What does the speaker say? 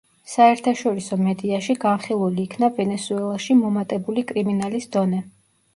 საერთაშორისო მედიაში განხილული იქნა ვენესუელაში მომატებული კრიმინალის დონე.